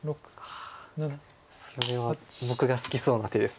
それは僕が好きそうな手です。